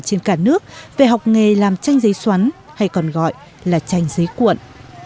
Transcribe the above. trên cả nước về học nghề làm tranh giấy xoắn hay còn gọi là tranh giấy cuộn